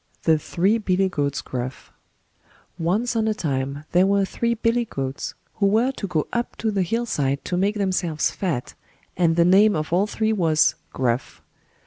THE THREE BILLY GOATS GRUFF Once on a time there were three Billy goats, who were to go up to the hill side to make themselves fat, and the name of all three was "Gruff".